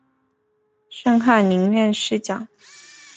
升翰林院侍讲。